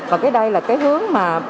và đây là hướng mà